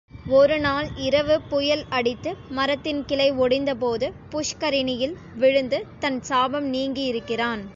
ஒரு நாள் இரவு புயல் அடித்து மரத்தின் கிளை ஒடிந்தபோது புஷ்கரிணியில் விழுந்து தன் சாபம் நீங்கியிருக்கிறான்.